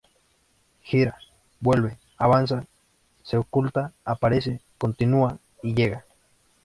Gira, vuelve, avanza, se oculta, aparece, continúa y llega.